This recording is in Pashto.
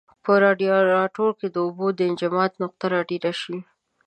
په رادیاتور کې د اوبو د انجماد نقطه را ټیټه شي.